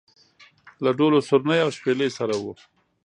له ډول و سورني او شپېلۍ سره و.